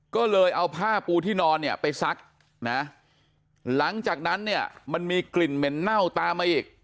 ก็เลยเอาผ้าปูที่นอนเนี่ยไปซักนะหลังจากนั้นเนี่ยมันมีกลิ่นเหม็นเน่าตามมาอีก